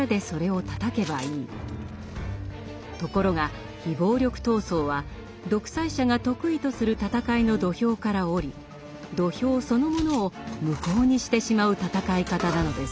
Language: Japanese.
ところが非暴力闘争は独裁者が得意とする戦いの土俵から降り土俵そのものを無効にしてしまう闘い方なのです。